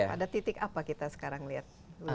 ada titik apa kita sekarang lihat